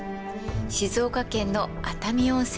静岡県の熱海温泉です。